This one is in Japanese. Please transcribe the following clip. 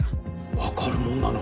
分かるもんなの？